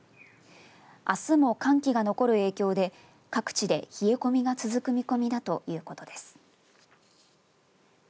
あすも寒気が残る影響で各地で冷え込みが続く見込みだということです。